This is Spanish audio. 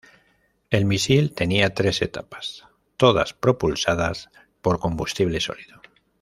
El misil tenía tres etapas, todas propulsadas por combustible sólido.